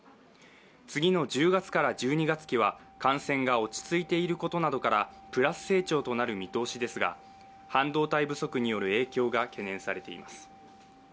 次の１０月から１２月期は感染が落ち着いていることなどからプラス成長となる見通しですが、半導体不足による影響が懸念されています。